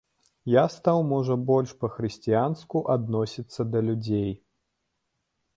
Я стаў можа больш па-хрысціянску адносіцца да людзей.